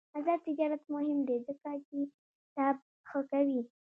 آزاد تجارت مهم دی ځکه چې طب ښه کوي.